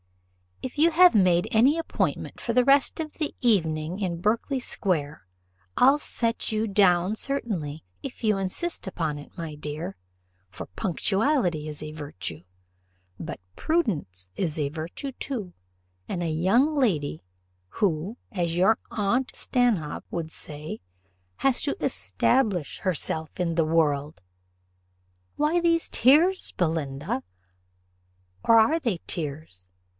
"If you have made any appointment for the rest of the evening in Berkley square, I'll set you down, certainly, if you insist upon it, my dear for punctuality is a virtue; but prudence is a virtue too, in a young lady; who, as your aunt Stanhope would say, has to establish herself in the world. Why these tears, Belinda? or are they tears?